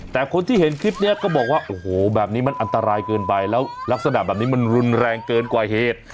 แต่คนที่เห็นคลิปนี้ก็บอกว่าโอ้โหแบบนี้มันอันตรายเกินไปแล้วลักษณะแบบนี้มันรุนแรงเกินกว่าเหตุ